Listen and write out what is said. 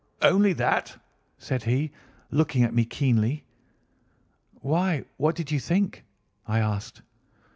"'Only that?' said he, looking at me keenly. "'Why, what did you think?' I asked.